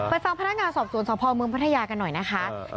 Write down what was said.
ฟังพนักงานสอบสวนสพเมืองพัทยากันหน่อยนะคะ